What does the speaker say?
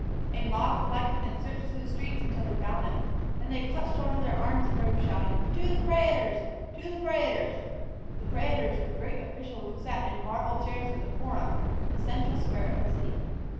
A mob collected and searched through the streets until they found them. Then they clutched hold of their arms and robes, shouting: "To the prætors! To the prætors!" The prætors were great officials who sat in marble chairs in the Forum, the central square of the city.